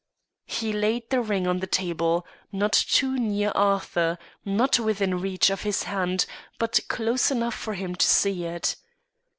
He laid the ring on the table, not too near Arthur, not within reach of his hand, but close enough for him to see it.